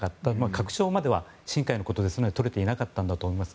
確証までは深海のことですので取れてなかったんだと思います。